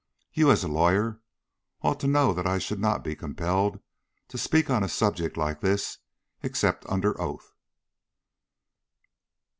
"You, as a lawyer, ought to know that I should not be compelled to speak on a subject like this except under oath."